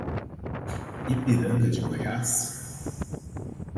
Ipiranga de Goiás